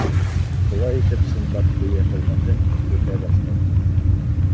Шулай итеп, Синдбад дөйә хеҙмәтен үтәй башлай.